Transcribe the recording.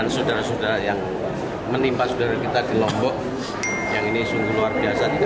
alhamdulillah kita laksanakan